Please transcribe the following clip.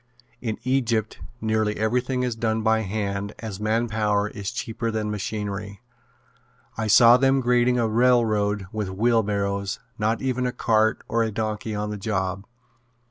In Egypt nearly everything is done by hand as man power is cheaper than machinery. I saw them grading a railroad with wheelbarrows, not even a cart or a donkey on the job.